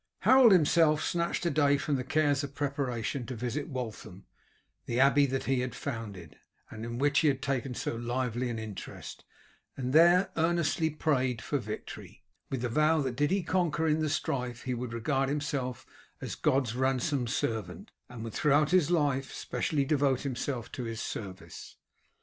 Harold himself snatched a day from the cares of preparation to visit Waltham, the abbey that he had founded, and in which he had taken so lively an interest, and there earnestly prayed for victory, with the vow that did he conquer in the strife he would regard himself as God's ransomed servant, and would throughout his life specially devote himself to His service.